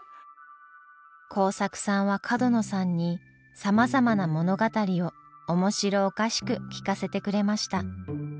孝作さんは角野さんにさまざまな物語を面白おかしく聞かせてくれました。